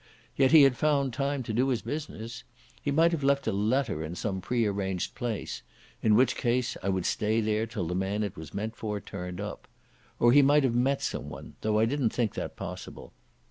Yet he had found time to do his business. He might have left a letter in some prearranged place—in which case I would stay there till the man it was meant for turned up. Or he might have met someone, though I didn't think that possible.